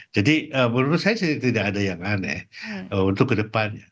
jadi menurut saya tidak ada yang aneh untuk ke depannya